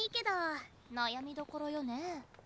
悩みどころよねえ。